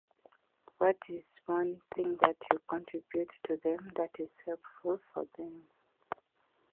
what is one thing that you contribute to them that is helpful for them?